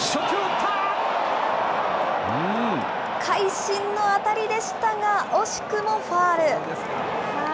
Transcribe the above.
会心の当たりでしたが、惜しくもファウル。